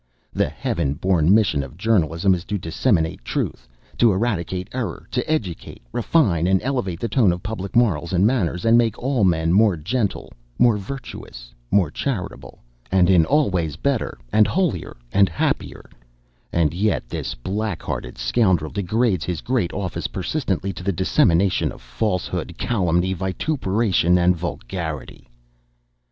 The heaven born mission of journalism is to disseminate truth; to eradicate error; to educate, refine, and elevate the tone of public morals and manners, and make all men more gentle, more virtuous, more charitable, and in all ways better, and holier, and happier; and yet this blackhearted scoundrel degrades his great office persistently to the dissemination of falsehood, calumny, vituperation, and vulgarity.